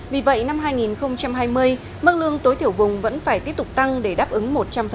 vì vậy năm hai nghìn hai mươi mức lương tối thiểu vùng vẫn phải tiếp tục tăng để đáp ứng một trăm linh